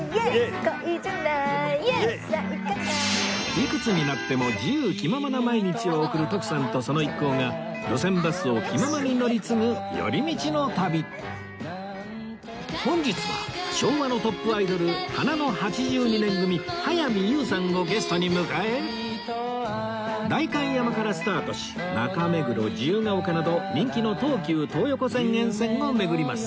いくつになっても自由気ままな毎日を送る徳さんとその一行が路線バスを気ままに乗り継ぐ寄り道の旅本日は昭和のトップアイドル花の８２年組早見優さんをゲストに迎え代官山からスタートし中目黒自由が丘など人気の東急東横線沿線を巡ります